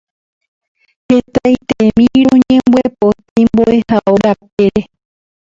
Hetaitémi roñombyepoti mbo'ehao rapére.